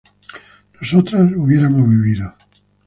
nosotras hubiéramos vivido